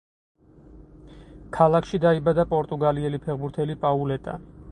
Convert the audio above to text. ქალაქში დაიბადა პორტუგალიელი ფეხბურთელი პაულეტა.